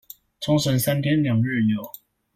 沖繩三天兩日遊